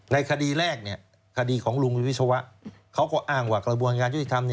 ในคดีแรกคดีของลุงวิศวะเขาก็อ้างว่ากระบวนการยุติธรรม